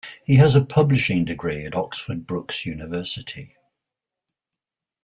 He has a publishing degree at Oxford Brookes University.